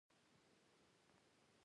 د خدمت دوام د باور نښه ده.